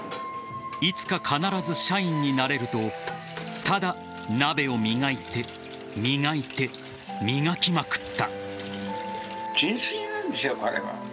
いつか必ず社員になれるとただ鍋を磨いて、磨いて磨きまくった。